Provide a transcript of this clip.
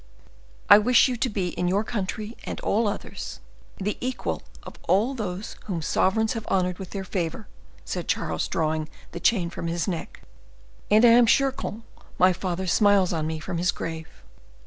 "I wish you to be in your country and all others the equal of all those whom sovereigns have honored with their favor," said Charles, drawing the chain from his neck; "and I am sure, comte, my father smiles on me from his grave."